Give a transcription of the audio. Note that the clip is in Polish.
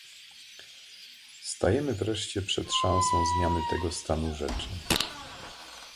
Stajemy wreszcie przed szansą zmiany tego stanu rzeczy